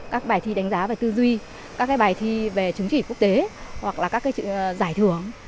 các bài thi đánh giá về tư duy các bài thi về chứng chỉ quốc tế hoặc là các giải thưởng